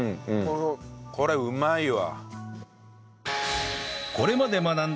これうまいわ。